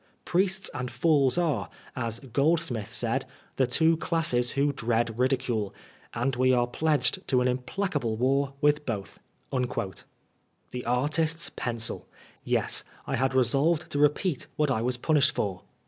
Priests and fools are, as Groldsmith said, the two classes who dread ridicule, and we are pledged to an implacable war with both." The artist's pencil ! Yes, I liad resolved to repeat what I was punished for.